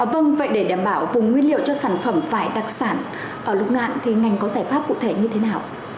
vâng vậy để đảm bảo vùng nguyên liệu cho sản phẩm vải đặc sản ở lục ngạn thì ngành có giải pháp cụ thể như thế nào